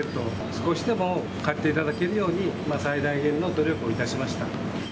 少しでも買っていただけるように、最大限の努力をいたしました。